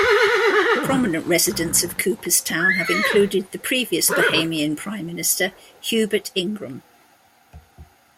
Prominent residents of Coopers Town have included the previous Bahamian Prime Minister Hubert Ingraham.